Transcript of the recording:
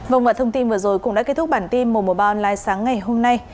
vòng vật thông tin vừa rồi cũng đã kết thúc bản tin mùa mùa ba online sáng ngày hôm nay